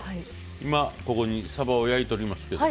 今ここにさばを焼いておりますけども。